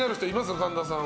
神田さんは。